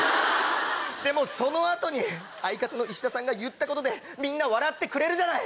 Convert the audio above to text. でもその後に相方の石田さんが言ったことでみんな笑ってくれるじゃない！